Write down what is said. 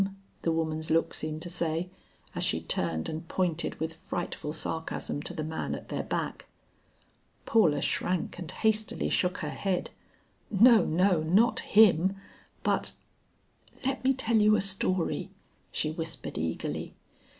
the woman's look seemed to say, as she turned and pointed with frightful sarcasm to the man at their back. Paula shrank and hastily shook her head. "No, no, not him, but Let me tell you a story," she whispered eagerly.